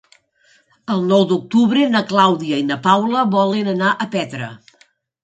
El nou d'octubre na Clàudia i na Paula volen anar a Petra.